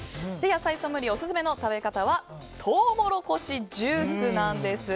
野菜ソムリエオススメの食べ方はトウモロコシジュースなんです。